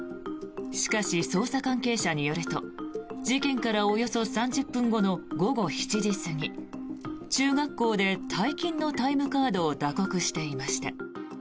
しかし、捜査関係者によると事件からおよそ３０分後の午後７時過ぎ中学校で退勤のタイムカードを打刻していました。